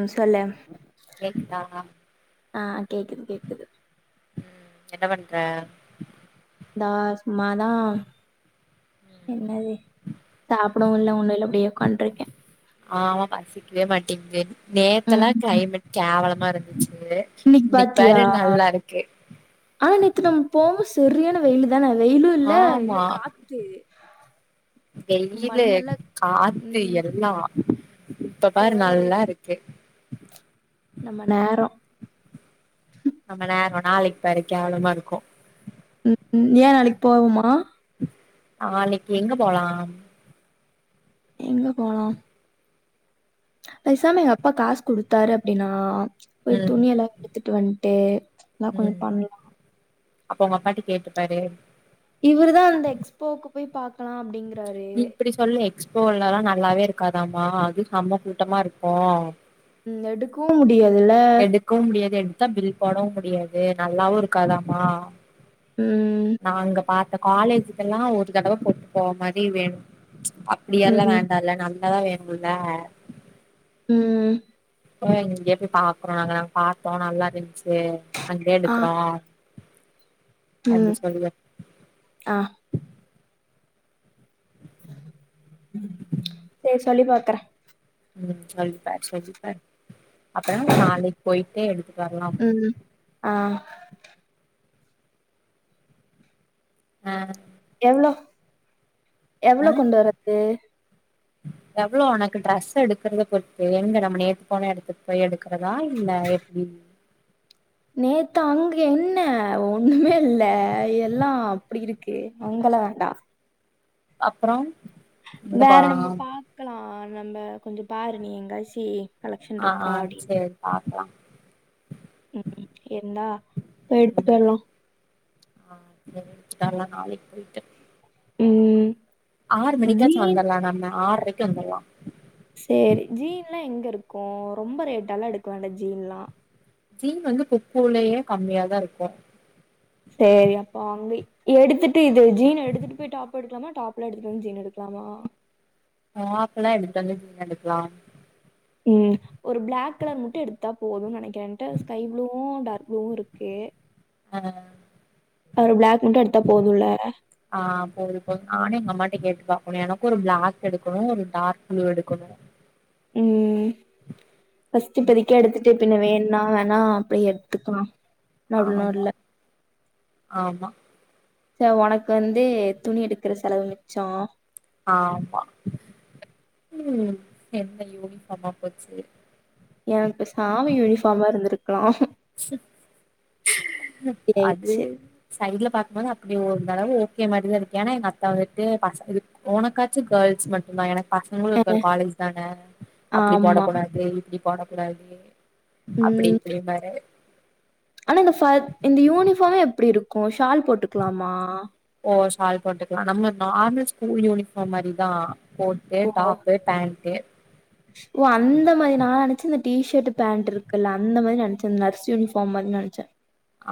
ம் சொல்லு கேக்குதா ஆ கேக்குது கேக்குது ம் என்ன பண்ற நா சும்மாதா என்னது சாப்டவு இல்ல ஒண்ணு இல்ல அப்டியே உக்காந்ட்ருக்கே ஆமா பசிக்வே மாட்டேங்து ம் நேத்தெல்லா ம் கிளைமட் கேவலமா இருந்துச்சு இன்னைக்கு இன்னைக் பாத்தியா பாரு நல்லா இருக்கு ஆனா நேத்து நம் போவும்போ சரியான வெயிலு அதான வெயிலு இல்ல இல்ல ஆமா காத்து வெயிலு மண்ணெல்லா காத்து ம் எல்லா இப்ப பாரு நல்லா இருக் கு நம்ம நேரோ நம்ம நேரோ நாளைக் பாரு கேவலமா இருக்கு ம் ஏ நாளைக் போவமா நாளைக்கி எங்க போகலாம் எங்க போகலா பேசாம எங்க அப்பா காசு குடுத்தாரு அப்டினா போய் ம் துணி எல்லா எடுத்துட்டு வந்ட்டு எல்லா கொஞ்சோ பண்லா அப்பொ ஒங்க அப்பாட்ட கேட்டுப்பாரு இவருதா அந்த எக்ஸ்போக்கு போய் பாக்கலா அப்டிங்குறாரே நீ இப்டி சொல்லு எக்ஸ்போலல்லா நல்லாவே இருக்காதாமா அது செம்ம கூட்டமா இருக்கு ம் எடுக்கவு முடியாதுல்ல கவு முடியாது எடுத்தா பில் போடவு முடியாது நல்லாவு இருக்காதாமா ம். நாங்க பாத்த காலேஜுக்கெல்லா ஒரு தடவ போட்டு போவ மாரி வேணு அ இப்டியெல்லா ம். வேண்டால்ல நல்லதா வேணுல்ல ம் ஒ எங்ளுக் எப்டி பாக்றோ நாங்களா பாத்தோ நல்லா இருந்ச்சி அங்கயே ஆ. எடுக்றோ ம் ஆ சேரி சொல்லி பாக்கற ம் சரிப்பா சரிப்பா அப்புற நா நாளைக் போயிட்டே எடுத்துட்டு வர்லாம் ம். ஆ ஆ எவ்ளோ எவ்ளோ ஆ கொண்டு வரது எவ்ளோ உனக்கு ட்ரெஸ் எடுக்கறத பொறுத்து எங்க நம்ம நேத்து போன எடத்துக் போய் எடுக்கறதா இல்ல எப்படி நேத்து அங்க என்ன ஒண்ணுமே இல்ல எல்லா அப்டி இருக்கு அங்கல்லா வேண்டா அப்றோம் வேற நம்ம பாக்லா நம்ம கொஞ்ச பாரு நீ எங்காசி ஆ சேரி பாக்லா ம் இருந்தா போய் ம் எடுத்துட்டு வர்லா ஆ [inaudible] நாளைக் போயிட்டு ம் ஆறு மணிக்காச்சு ஜீன் வந்துர்லா நம்ம ஆற்ரைக்கு வந்துர்லா சேரி ஜீன்லா எங்க இருக்கு ரொம்ப ரேட்டால்ல எடுக்க வேண்டா ஜீன்லா ஜீன் வந்து கொக்கோலேயே கம்மியா தா இருக்கு சேரி அப்போ அங்க எடுத்துட்டு இது ஜீன் எடுத்துட்டு போய் டாப் எடுக்கலாம டாப்ல எடுத்து வந்து ஜீன் எடுக்லாமா டாப்லா எடுதுட்டு வந்து ஜீன் எடுக்லா ம் ஒரு பிளாக் கலர் மட்டு எடுத்தா போதுன் நெனைக்கிற என்ட ஸ்கை ப்ளூவு டார்க் ப்ளூவு இருக்கு ஆ ஒரு பிளாக் மட்டு எடுத்தா போதும்ல ஆ போது போது நானே எங்க அம்மாட்ட கேட்டு பாக்ணு எனக்கு ஒரு பிளாக் எடுக்கணு ஒரு டார்க் ப்ளூ எடுக்கணு ம் ஃபர்ஸ்ட் இப்பதிக்கு எடுத்துட்டு பின்ன வேன்ணா வேணா அப்டியே எடுத்துக்லா ஆமா ஆமா செர் உனக்கு வந்து துணி எடுக்கற செலவு மிச்சோ ஆமா ம் என்ன யூனிஃபார்மா போச்சு எனக்கு சாமி யூனிஃபார்மா இருந்திருக்லா அது இப்டியாயிடுச்சு சைட்ல பார்க்கும்போது அப்டி ஒரு தடவ ஓகே மாரிதா இருக்கு ஏன்னா எங்க அத்தா விட்டு பச உனக்காச்சு கேர்ள்ஸ் மட்டு தா எனக் பசங்ளு அ இருக்கர காலேஜ் தான அப்டி ஆமா போடக்கூடாது இப்டி போடக்கூடாது அப்டி ம் இப்டின் பாரு ஆனா இந்த ஃபா இந்த யூனிஃபார்ம்மே எப்டி இருக் கு ஷால் போட்டுக்லாமா ஓ ஷால் போட்டுக்லா நம்ம நார்மல் ஸ்கூல் யூனிஃபார்ம் மாரிதா கோட்டு ஓ டாப்பு பேண்ட்டு ஓ அந்த மாரி நா நெனச்ச இந்த டி ஷர்ட் பேண்ட் இருக்குல்ல அந்த மாதிரி நெனச்ச இந் நர்ஸ் யூனிபாஃர்ம் மாரி நெனச்ச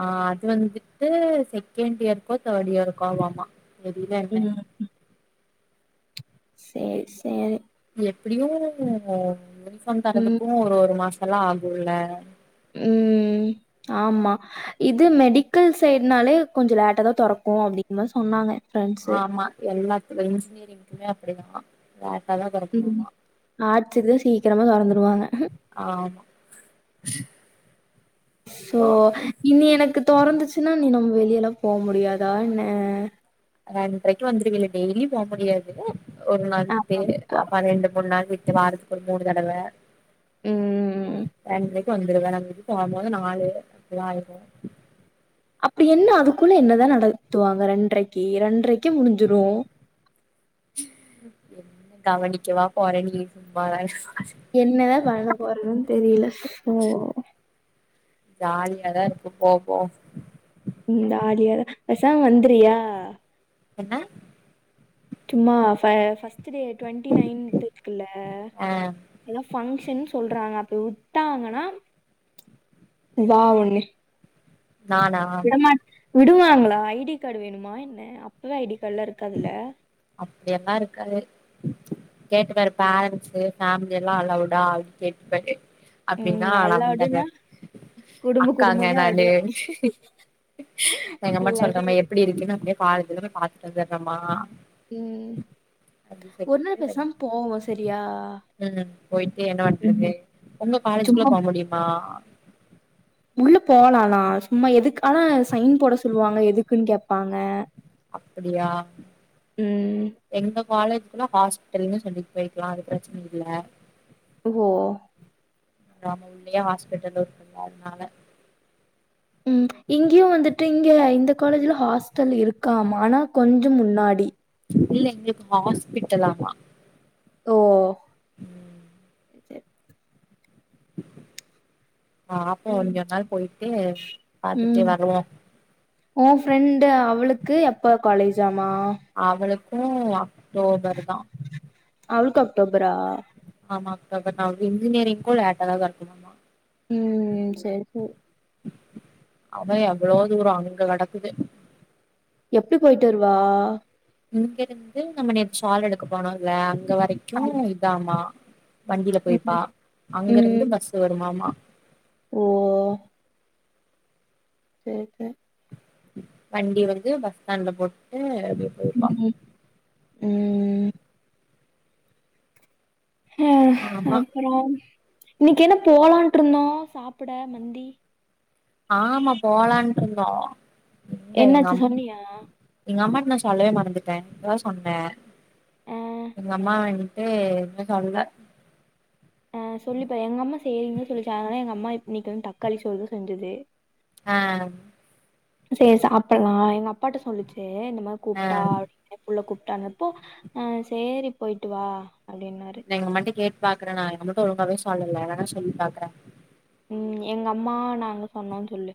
ஆ அது வந்துட்டு செகண்ட் இயர்க்கோ தேர்ட் இயர்க்கோவாமா எதுமே இல்ல ம் சேர் சேரி எப்டியு யூனிஃபார்ம் ம் தரதுக்கு ஒரு ஒரு மாசலா ஆகுல ம் ஆமா இது மெடிக்கல் சைடுனாலே கொஞ்சோ லேட்டாதா தொறக்கு அப்டின்தா சொன்னாங்க ஃப்ரெண்ட்ஸு ஆமா எல்லாத்துலயு இன்ஜினியரிங்க்குமே அப்புடிதா லேட்டாதா தொறக்குமாமா ஆட்ச்சுதா சீக்கிரமா தொறந்துருவாங்க ஆமா சோ இனி எனக்கு தொறந்துச்சுன்னா இனி நம் வெளியெலா போ முடியாதா இன்ன ரெண்ட்ரைக்கு வந்துருவில டெய்லி போ முடியாது ஒரு மந்த்து அப்பப்பா அப்ப ரெண்டு மூணு நாள் விட்டு வாரத்துக்கு ஒரு மூணு தடவ ம் ரெண்ட்ரைக்கு வந்துருவ நா வீட்டுக்கு வரும்போது நாலு அப்டி ஆய்டு அப்டி என்ன அதுக்குள்ள என்னதா நடத்துவாங்க ரெண்ட்ரைக்கு ரெண்ட்ரைக்கு முடிஞ்சிரு என்ன கவனிக்கவா போறே நீ சும்மா வேற [unintelligible] என்னதா பண்ண போறனு தெரில சோ ஜாலியாதா இருக்கு போவோ ம் ஜாலியா பெசாம் வந்துரியா என்ன சும்மா ஃப ஃபஸ்ட்டு டே டுவென்ட்டி நைன்த் இர்க்குல்ல ஆ எல்லா பங்க்ஷன் சொல்றாங்க அப்டி உட்டாங்கனா வா ஒன்னு நானா விடமாட் விடுவாங்ளா ஐ டி கார்டு வேணுமா என்ன அப்புலா ஐ டி காட்லா இருக்காதுல அப்டியெல்லா இருக்காது கேட்டுப்பாரு பேரண்ட்ஸு ஃபேமிலியெல்லா அலவ்டா அப்டின் கேட்டுப்பாரு அப்டினா ம் நா வந்துர்ற அலவுடுனா குடும்ப அக்காங்க குடும்பமா நானு அப்படியே நா எங்கம்மாட் சொல்றமா லவ்லி எப்டி இருக்குன்னு அப்டி காலேஜுல போய் பாதுட் வந்துர்றமா ம் அப்டி ஒரு நாள் சொல்லிட்டு பேசாம போவோம் சரியா ம் போய்ட்டு என்ன பண்றது ம் உங்க காலேஜுகுள்ள சும்மா போ முடியுமா உள்ள போலானா சும்மா எதுக்கு ஆனா சைன் போட சொல்லுவாங்க எதுக்குன் கேப்பாங்க அப்புடியா ம் எங்க காலேஜுகுனா ஹாஸ்பிட்டல்ன்னு சொல்லி போயிக்கிலா அது பிரச்சினி இல்ல இது ஓ நம்ம உள்ளயே ஹாஸ்பிட்டல் இருக்குல அதுனால ம் இங்கியு வந்துட்டு இங்க இந்த காலேஜ்ல ஹாஸ்டல் இருக்காமா ஆனா கொஞ்சோ முன்னாடி இல்ல இங்க இருக்கு ஹாஸ்பிட்டலாம ஓ ம் சேர் சேர் ஆ அப்போ ம். இங்க ஒரு நாள் போய்ட்டு பாத்துட்டு வருவோ ஓ ஃபிரெண்டு் அவளுக்கு எப்ப காலேஜாமா அவளுக்கூ அக்டோபர் தா அவள்க்கு அக்டோபரா ஆமா அக்டோபர்தா இன்ஜினியரிங் லேட்டாதா தொற்க்குதாமா ம் சேரி சேரி அது எவுளோ தூரோ அங்க கெடக்குது எப்டி போய்ட்டு வருவா இங்க இருந்து நம்ம நேத் சால் எடுக்க போனோம்ல்ல அங்க ஆ. வரைக்கு இதாமா வண்டியில போய்ப்பா ம். அங்க இருந்து ம். பஸ் வருமாமா ஓ பே பே வண்டி வந்து பஸ் ஸ்டாண்ட்ல போட்டு அப்டியே போயிருவா ம்ம் அ ஆமா அப்பற இன்னைக்கு என்ன போலான்ட்டு இருந்தோ சாப்பிட மந்தி ஆமா போலான்ட்டு இருந்தோ எங்க என்னாச்சு அம் சொன்னியா? எங்க அம்மாகிட்ட நா சொல்லவே மறந்துட்டே இப்பதா சொன்ன ஆ. எங்க அம்மா வன்ட்டு எதுமே சொல்ல ஆ சொல்லிப்பாரு எங்கம்மா சேறீன்னு சொல்லிச்சு அதனால எங்க அம்மா இப் இன்னைக்கு தக்காளி சோறுதா செஞ்சது ஆ சேரி சாப்பளா எங்க அப்பாட்ட சொல்லுச்சே இந்த மாரி ஆ கூப்டா ஏ புள்ள கூப்டானப்போ ஆ சேரி போய்ட்டு வா அப்டின்னாரு எங்க அம்மாட்ட கேட்டு பாக்கற நா அம்மாட ஒழுங்காவவே சொல்லல சொல்லி பாக்கற ம் எங்க அம்மா நாங்க சொன்னோன் சொல்லு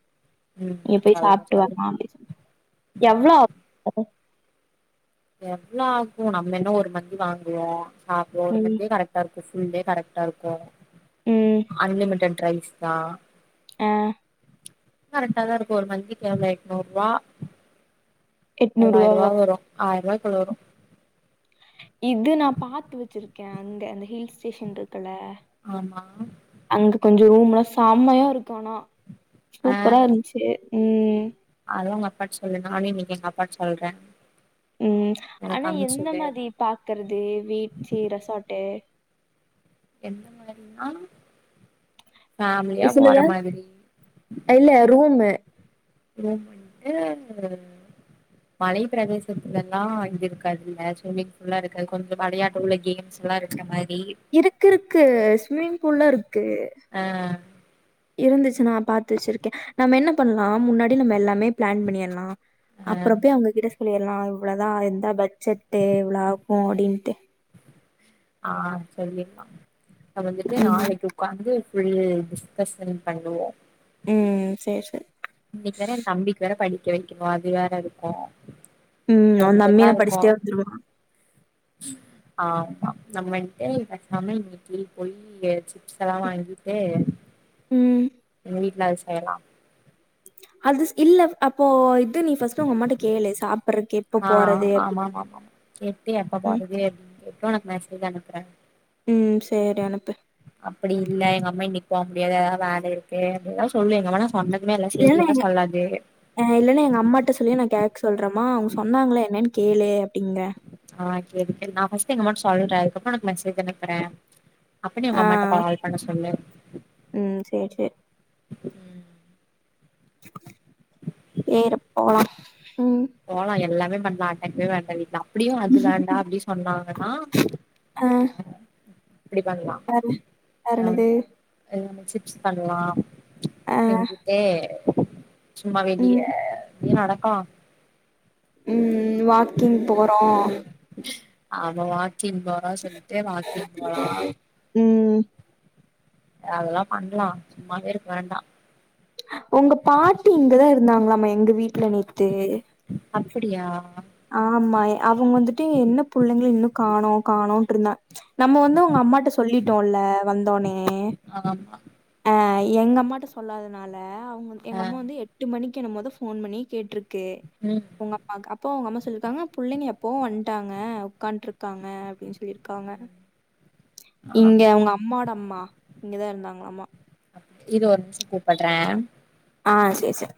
ம் நீ போய் சொல்றே சாப்டு சொல்றே வாமா அப்டின் [inaudible] [inaudible] எவ்ளோ ஆகு நம்ம என்ன ஒரு மந்தி வாங்குவோ சாப்டுவோ ஒரு ம் மந்தியே கரெக் எல்லாருக்கு ஃபுல் டே கரெக்டா இருக்கு ம் அன்லிமிடட் ரைஸ் தா ஆ கரெக்டா தா இருக்கு ஒரு மந்தி [unintelligible] எட்நூற் ரூபா எட்நூறு தொள்ளாய்ரூபா ரூவாவா வரும் ஆயரபாய்க்குள்ள வரும் இது நா பாத்து வெச்சிருக்கே அந்த அந்த ஹில் ஸ்டேஷன் இருக்குல ஆமா அங்க கொஞ்ச ரூம்லா செம்மையா இருக்கு ஆனா சூப்பரா இருந்துச்சு ம் அதலா உங் அப்பா சொல்லு நானு எங்க அப்பாட்ட சொல்ற ம் ஆனா எந்த மாரி பாக்கறது பீச்சி ரெசாட்டு எந்த மாரினா ஃபேமிலியா போற சொல்லுங்க மாதிரி இல்ல ரூமு ரூம் வன்டு மலை பிரதேசத்துலல்லா இது இருக்காதுல்ல ஸ்விமிங் பூல்லா இருக்காது கொஞ்ச வெளையாட்டு உள்ள கேம்ஸ் நல்லா இருக்கற மாரி இருக்கு இருக்கு ஸ்விம்மிங் பூல்லா இருக்கு ஆ இருந்துச்சு நா பாத்து வெச்சிருக்கே நம்ம என்ன பண்லா முன்னாடி நம்ம எல்லாமே பிளான் பண்ணிலா ஆ அப்பற போய் அவங்ககிட்ட சொல்லிலா இவ்ளோதா இத்தா பட்ஜெட்டு் இவ்ளோ ஆகு அப்டின்ட்டு ஆ சொல்லிலா அப்ப வந்துட்டு ம் நாளைக்கு உக்காந்து ஃபுல் டிஸ்கஷன் பண்ணுவோ ம் சேர் சேர் இன்னைக்கு வேற என் தம்பிக்கு வேற படிக்க வெக்கணு அது வேற இருக்கு உம் ஒ தம்பி கொஞ்சந்தா என்ன இருக்கு படிச்சிட்டே வந்துருவா ஆமா நம்ம இன்டே இப்ப தமிழ்மிட்லி போயி இங்கே சிப்ஸ் எல்லா வாங்கிட்டு ம் எங்க வீட்ல அது செய்யலா அது இல்ல அப்போ இது நீ ஃபஸ்ட்டு உங்க அம்மா கிட்ட கேளு சாப்பற் எப் ஆ ஆமா ஆமா ஆமா எப்டி எப்ப ம் போறது கேட்டு உனக்கு மெசேஜ் அனுப்புற ம் சேரி அனுப்பு அப்டி இல்ல எங்க அம்மா இன்னைக்கு போ முடியாது எதாவது வேல இருக்கு அப்டிஎதா சொல்லு எங்கமன்னா சொன்னதுமே எல்லா சேதி எல்லா எங்க சொல்லாது ஆ இல்லனா எங்க அம்மாட்ட சொல்லி நா கேக்க சொல்ற மா அவ்ங்க சொன்னாங்களே என்னன்னு கேளு அப்டிங்கற ஆ கேளு கேளு நா ஃபஸ்ட்டு எங்கம்மாட்ட சொல்ற அதுக்கப்புறோ உனக்கு மெசேஜ் அனுப்புற அப்ப நீ உங்க ஆ அம்மாட்ட கால் பண்ண சொல்லு ம் செர் செர் வேற போலா ம் போலா எல்லாமே பண்லா அன்னைக்குமே வேண்டா வீட்ல அப்டியு அது வேண்டா அப்டி சொன்னாங்கன்னா ஆ இப்டி‌ பண்வா வேற அ என்னது? எல்லாமே சிப்ஸ் பண்லா ஆ எங்கிட்டே சும்மா வெளிய ம், நடக்கலா ம் ம் வாக்கிங் போறோ அவ வாக்கிங் போறா சொல்ட்டு வாக்கிங் போலா ம் அதெல்லா பண்லா சும்மாவே இருக்கு வேண்டா உங்க பாட்டி இங்கதா இருந்தாங்களாம எங்க வீட்ல நேத்து அப்பிடியா ஆமா அவங்க வந்துட்டு என்ன புள்ளைங்கள இன்னு காணோ காணோட்டுறுந்த நம்ம வந்து உங்க அம்மாட்ட சொல்லிட்டோல்ல வந்தோனே ஆமா அ எங்க அம்மாட்ட சொல்லாதனால அவங்க எங்க ஆ அம்மா வந்து எட்டு மணிக்கு என்னமோதா ஃபோன் பண்ணி கேட்ருக்கு கே ம் உங்கம்மாக்கு அப் போ உங்க அம்மா சொல்லியிருக்காங்க புள்ளைங்க எப்பவு வன்ட்டாங்க உக்கான்ருக்காங்க அப்டின்னு சொல்லியிருக்காங்க இங்க ஆமா அவங்க அம்மோட அம்மா இங்கதா இருந்தாங்களாமா இரு ஒரு நிமிஷம் கூப்பட்ற ஆ செர் செர்